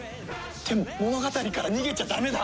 でも物語から逃げちゃダメだ！